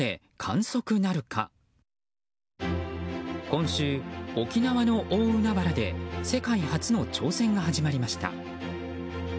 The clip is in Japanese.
今週、沖縄の大海原で世界初の挑戦が始まりました。